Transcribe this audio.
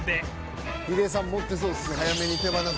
「ヒデさん持ってそうですね」